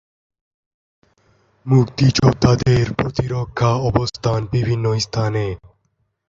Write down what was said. মুক্তিযোদ্ধাদের প্রতিরক্ষা অবস্থান বিভিন্ন স্থানে।